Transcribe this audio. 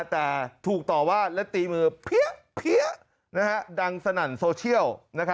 แต่ถูกต่อว่าและตีมือเพี้ยดังสนั่นโซเชียล